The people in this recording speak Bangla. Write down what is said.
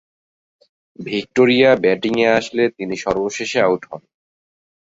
ভিক্টোরিয়া ব্যাটিংয়ে আসলে তিনি সর্বশেষে আউট হন।